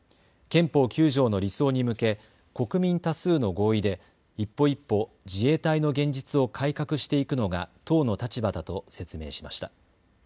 憲法９条の理想に向け国民多数の合意で一歩一歩、自衛隊の現実を改革していくのが党の立場だと説明しました。